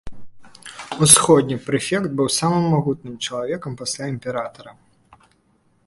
Усходні прэфект быў самым магутным чалавекам пасля імператара.